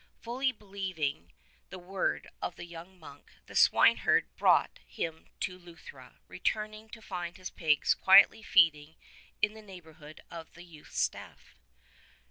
Fully l)elieving the word of the young monk the swineherd brought him to Luthra, returning to find his pigs quietly feeding in the neighbourhood of the youth's staff.